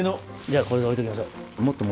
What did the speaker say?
じゃあこれで置いときましょう。